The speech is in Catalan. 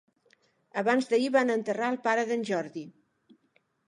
Abans d'ahir van enterrar el pare d'en Jordi